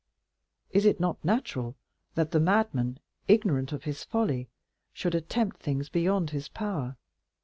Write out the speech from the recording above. Is it not natural that the madman, ignorant of his folly, should attempt things beyond his power?